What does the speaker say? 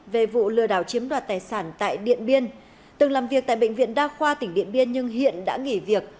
về vụ lừa đảo chiếm đoạt tài sản tại điện biên từng làm việc tại bệnh viện đa khoa tỉnh điện biên nhưng hiện đã nghỉ việc